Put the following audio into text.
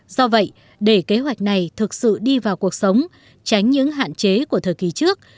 do vậy để kế hoạch này thực sự đi vào cuộc sống tránh những hạn chế của thời kỳ trước